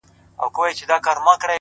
عاجزي د درنو انسانانو ځانګړنه ده!